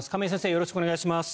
よろしくお願いします。